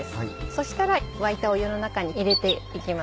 そしたら沸いたお湯の中に入れていきます。